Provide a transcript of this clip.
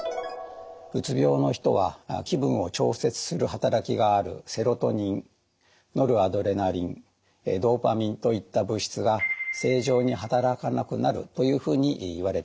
うつ病の人は気分を調節する働きがあるセロトニンノルアドレナリンドパミンといった物質が正常に働かなくなるというふうにいわれています。